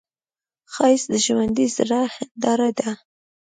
ښایست د ژوندي زړه هنداره ده